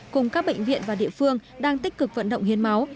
cùng các bệnh viện và địa phương đang tích cực vận động hiến máu